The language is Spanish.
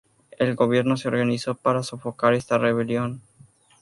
El gobierno se organizó para sofocar esta rebelión.